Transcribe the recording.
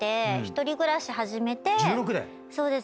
そうです。